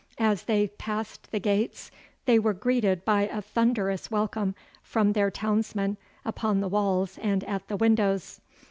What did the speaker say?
As they passed the gates they were greeted by a thunderous welcome from their townsmen upon the walls and at the windows.